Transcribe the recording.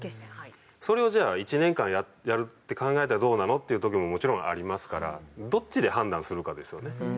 それをじゃあ一年間やるって考えたらどうなの？っていう時ももちろんありますからどっちで判断するかですよね。